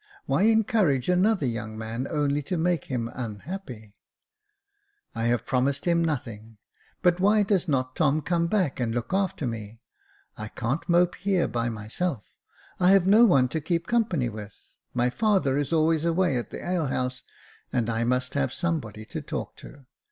why encourage another young man only to make him unhappy ?"*' I have promised him nothing j but why does not Tom come back and look after me ? I can't mope here by myself; I have no one to keep company with ; my father is always away at the alehouse, and I must have somebody to talk to.